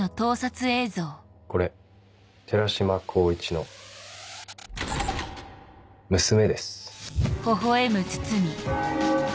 これ寺島光一の・娘です。